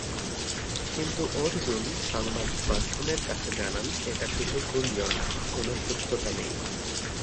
কিন্তু অর্জুন সংবাদ মাধ্যমের কাছে জানান এটা শুধু গুঞ্জন, কোন সত্যতা নেই।